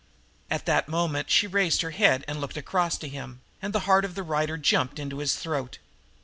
At that moment she raised her head and looked across to him, and the heart of the rider jumped into his throat.